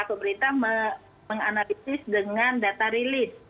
pemerintah menganalisis dengan data rilis